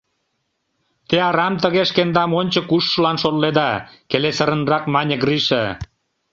— Те арам тыге шкендам ончык ужшылан шотледа! — келесырынрак мане Гриша.